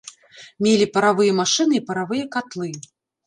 Мелі паравыя машыны і паравыя катлы.